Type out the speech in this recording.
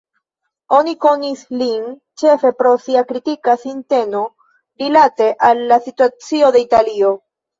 Oni konis lin ĉefe pro sia kritika sinteno rilate al la situacio de Italio.